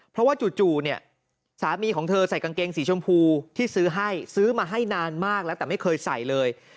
เพราะว่าจู่เนี่ยสามีของเธอใส่กางเกงสีชมพูที่ซื้อให้ซื้อมาให้นานมากแล้วแต่ไม่เคยใส่เลย